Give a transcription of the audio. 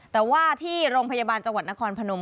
แต่ว่าที่โรงพยาบาลจังหวัดนครพนม